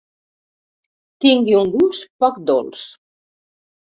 Tingui un gust poc dolç.